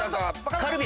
カルビ！